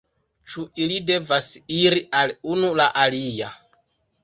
Ĉu ili devas iri al unu la alia...